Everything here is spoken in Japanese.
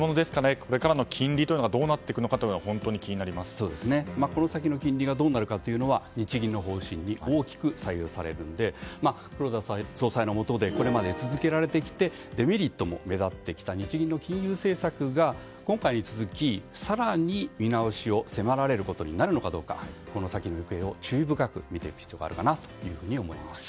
これからの金利がどうなっていくかこの先の金利がどうなるかというのは日銀の方針に大きく左右されるので黒田総裁のもとでこれまで続けられてきてデメリットも目立ってきた日銀の金融政策が今回に続き、更に見直しを迫られることになるのかどうかこの先の行方を注意深く見ていく必要があるかなと思います。